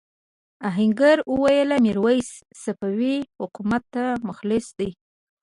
آهنګر وویل میرويس صفوي حکومت ته مخلص دی.